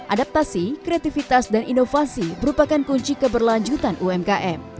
adaptasi kreativitas dan inovasi merupakan kunci keberlanjutan umkm